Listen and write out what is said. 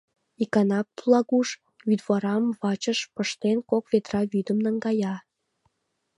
Икана Плагуш, вӱдварам вачыш пыштен, кок ведра вӱдым наҥгая.